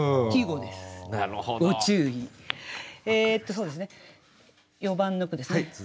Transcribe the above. そうですね４番の句ですね。